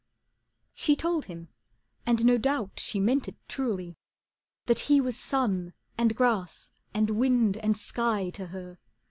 She told him, and no doubt she meant it truly, That he was sun, and grass, and wind, and sky To her.